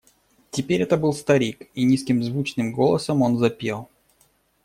Теперь это был старик, и низким звучным голосом он запел: